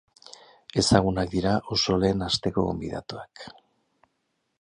Ezagunak dira oso lehen asteko gobidatuak.